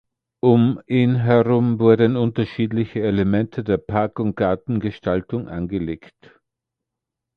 Um ihn herum wurden unterschiedliche Elemente der Park- und Gartengestaltung angelegt.